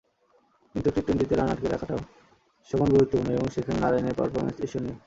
কিন্তু টি-টোয়েন্টিতে রান আটকে রাখাটাও সমান গুরুত্বপূর্ণ এবং সেখানে নারাইনের পারফরম্যান্স ঈর্ষণীয়।